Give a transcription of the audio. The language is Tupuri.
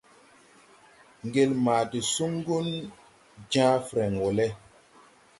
Ŋgel ma de suŋgun jãã frɛŋ wɔ lɛ.